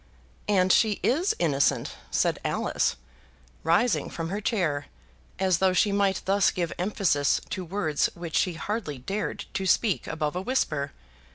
"And she is innocent," said Alice, rising from her chair, as though she might thus give emphasis to words which she hardly dared to speak above a whisper.